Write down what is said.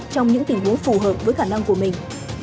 trong những tình huống phù hợp với khả năng của mình